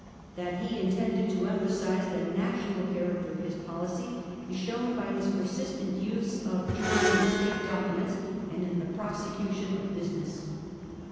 That he intended to emphasise the national character of his policy is shown by his persistent use of German in State documents and in the prosecution of business.